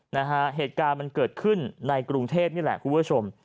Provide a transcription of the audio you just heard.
นะฮะเหตุการณ์มันเกิดขึ้นในกรุงเทพนี่แหละคุณผู้ชม